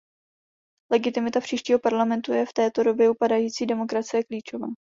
Legitimita příštího parlamentu je v této době upadající demokracie klíčová.